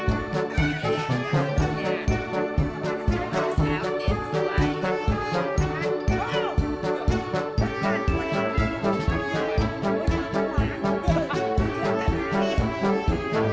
เอาอีกหามาให้แม่คืนเลยอะไรก็เลยขายหมดมาตีแล้วก็ขายหมด